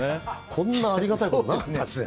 こんなありがたいことなかったですよ。